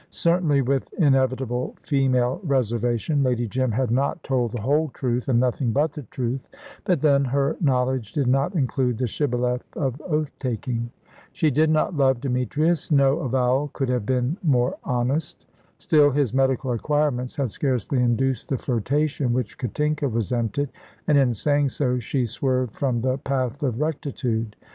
Certainly, with inevitable female reservation, Lady Jim had not told the whole truth and nothing but the truth; but then, her knowledge did not include the shibboleth of oath taking. She did not love Demetrius no avowal could have been more honest. Still, his medical acquirements had scarcely induced the flirtation which Katinka resented, and in saying so she swerved from the path of rectitude.